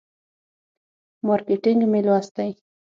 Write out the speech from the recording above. مارکیټینګ مې لوستی.